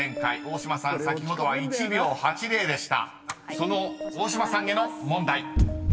［その大島さんへの問題］